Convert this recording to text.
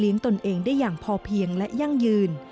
ตนเองได้อย่างพอเพียงและยั่งยืน